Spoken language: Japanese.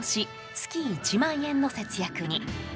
月１万円の節約に。